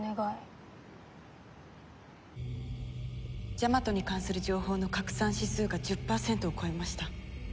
ジャマトに関する情報の拡散指数が１０パーセントを超えました。